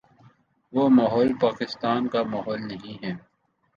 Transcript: وہ ماحول پاکستان کا ماحول نہیں ہے۔